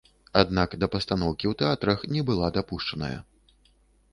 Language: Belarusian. Аднак да пастаноўкі ў тэатрах не была дапушчаная.